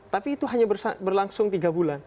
tapi itu hanya berlangsung tiga bulan